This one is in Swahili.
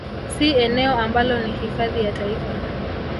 Si eneo ambalo ni Hifadhi ya taifa